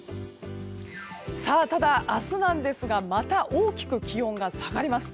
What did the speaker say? ただ、明日なんですがまた大きく気温が下がります。